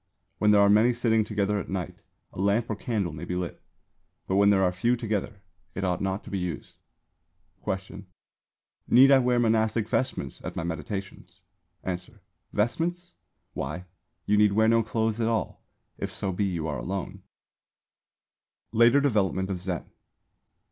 When there are many sitting together at night, a lamp or candle may be lit; but when there are few together, it ought not to be used. Question. Need I wear monastic vestments at my meditations? Answer. Vestments? Why, you need wear no clothes at all, if so be you are alone. Concentration. LATER DEVELOPMENT OF ZEN.